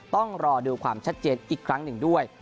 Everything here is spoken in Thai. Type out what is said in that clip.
ต้องรอดูความชัดเจนอีกครั้งหนึ่งด้วย